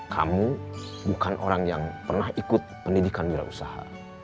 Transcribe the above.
kamu bukan orang yang pernah ikut pendidikan wira usaha